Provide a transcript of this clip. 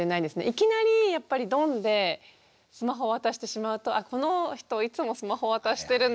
いきなりやっぱりドンでスマホを渡してしまうとあこの人いつもスマホ渡してるんだ